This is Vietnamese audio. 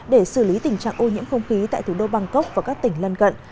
để xử lý tình trạng ô nhiễm không khí tại thủ đô bangkok và các tỉnh lân cận